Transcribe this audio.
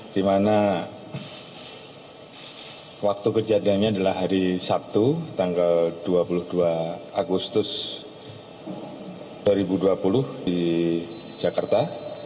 di mana waktu kejadiannya adalah hari sabtu tanggal dua puluh dua agustus dua ribu dua puluh di jakarta